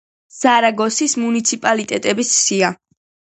სარაგოსის მუნიციპალიტეტების სია.